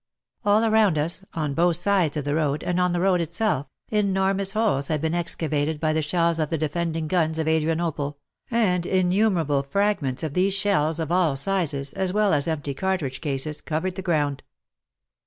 All around us, on both sides of the road, and in the road itself, enormous holes had been excavated by the shells of the defending guns of Adrianople, and innumerable fragments of these shells, of all sizes, as well as empty cartridge cases, covered the ground.